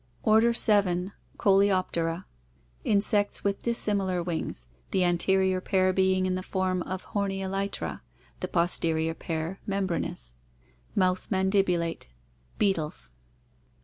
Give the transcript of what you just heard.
Order 7. Coleoptera. Insects with dissimilar wings, the anterior pair being in the form of horny elytra, the posterior pair membranous. Mouth mandibulate. Beetles.